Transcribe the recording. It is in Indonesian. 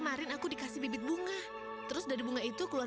yang lainnya sudah pada sekolah